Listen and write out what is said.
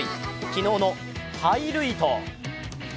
昨日のハイ瑠唯ト。